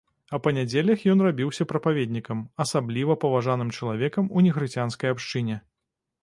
А па нядзелях ён рабіўся прапаведнікам, асабліва паважаным чалавекам у негрыцянскай абшчыне.